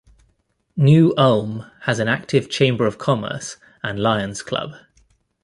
New Ulm has an active Chamber of Commerce and Lions Club.